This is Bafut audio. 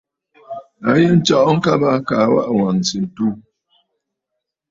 A yi nstsɔʼɔ ŋkabə kaa waʼà wàŋsə̀ ǹtu.